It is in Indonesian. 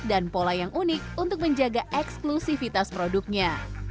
dan pola yang unik untuk menjaga eksklusifitas produknya